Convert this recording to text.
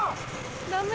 ダメ？